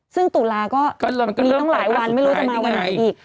ซึ่งตุลาก็มีตั้งหลายวันไม่รู้จะมาวันไหนอีก